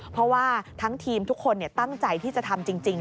เพราะว่าทั้งทีมทุกคนตั้งใจที่จะทำจริง